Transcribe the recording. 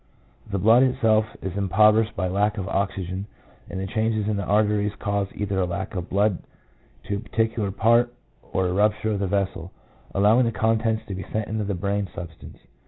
The blood itself is impoverished by lack of oxygen, and the changes in the arteries cause either a lack of blood to a particular part, or a rupture of the vessel, allowing the contents to be sent into the brain sub stance.